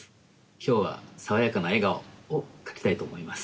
きょうはさわやかな笑顔を描きたいとおもいます。